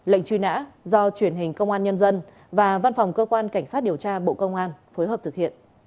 lệnh truy nã do truyền hình công an nhân dân và văn phòng cơ quan cảnh sát điều tra bộ công an phối hợp thực hiện